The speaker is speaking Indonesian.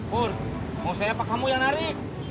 bur mau saya apa kamu yang narik